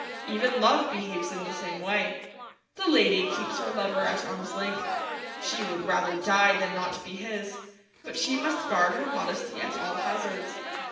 Even love behaves in the same way. The lady keeps her lover at arm's length. She would rather die than not be his, but she must guard her modesty at all hazards.